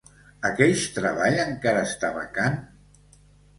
Aqueix treball encara està vacant?